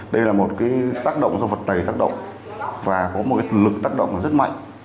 đây là một cái tác động do vật tẩy tác động và có một lực tác động rất mạnh